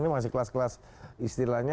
ini masih kelas kelas istilahnya